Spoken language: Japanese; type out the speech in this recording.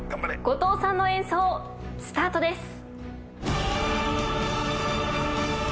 後藤さんの演奏スタートです。